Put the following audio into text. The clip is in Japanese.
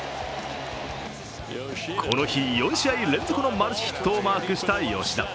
この日４試合連続のマルチヒットをマークした吉田。